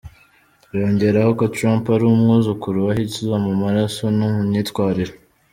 Yongeraho ko Trump ari umwuzukuru wa Hitler mu maraso no mu myitwarire.